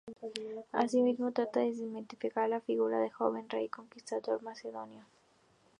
Asimismo, trata de desmitificar la figura del joven rey y conquistador macedonio.